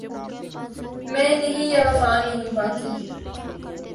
میں نہیں یا وفا نہیں باقی